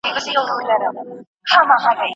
هغه د اورسۍ خواته ناسته ده او پرده جګوي.